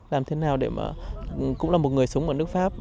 làm thế nào để mà cũng là một người sống ở nước pháp